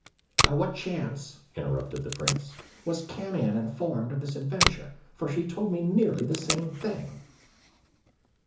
"By what chance," interrupted the Prince, "was Camion informed of this adventure, for she told me nearly the same thing?"